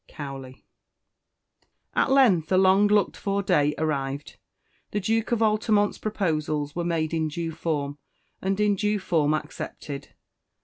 COWLEY. AT length the long looked for day arrived. The Duke of Altamont's proposals were made in due form, and in due form accepted.